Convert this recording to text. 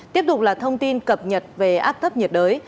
tiếp tục là thông tin cập nhật về áp thấp nhiệt đới